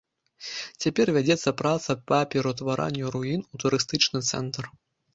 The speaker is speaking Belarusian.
Цяпер вядзецца праца па пераўтварэнню руін у турыстычны цэнтр.